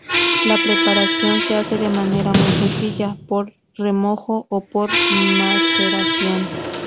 La preparación se hace de manera muy sencilla: por remojo o por maceración.